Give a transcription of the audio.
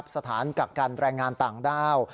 สถานกักกันแรงงานต่างด้าว